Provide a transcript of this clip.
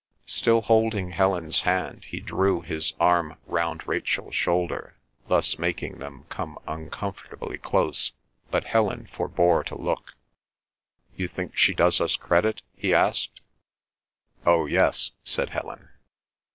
Still holding Helen's hand he drew his arm round Rachel's shoulder, thus making them come uncomfortably close, but Helen forbore to look. "You think she does us credit?" he asked. "Oh yes," said Helen.